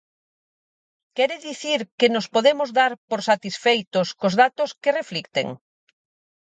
¿Quere dicir que nos podemos dar por satisfeitos cos datos que reflicten?